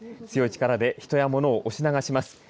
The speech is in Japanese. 強い力で人や物を押し流します。